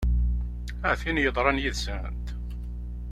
A tin yeḍran yid-sent!